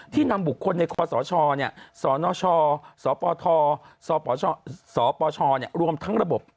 นำบุคคลในคอสชสนชสปทสปชรวมทั้งระบบ